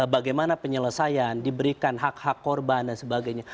bagaimana penyelesaian diberikan hak hak korban dan sebagainya